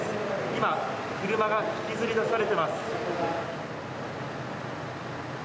今、車が引きずり出されています。